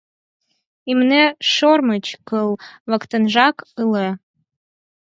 Имне шӧрмыч кыл воктенжак ыле.